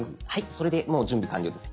それでもう準備完了です。